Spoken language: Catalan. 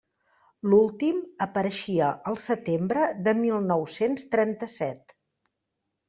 L'últim apareixia el setembre de mil nou-cents trenta-set.